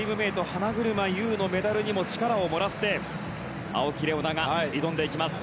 花車優のメダルにも力をもらって青木玲緒樹が挑んでいきます。